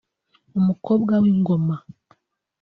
Umukobwa w’ingona